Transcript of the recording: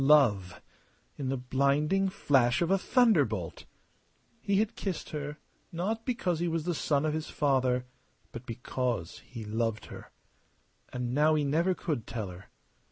Love in the blinding flash of a thunderbolt! He had kissed her not because he was the son of his father, but because he loved her! And now he never could tell her.